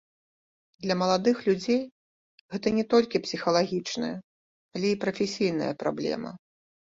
Для маладых людзей гэта не толькі псіхалагічная, але і прафесійная праблема.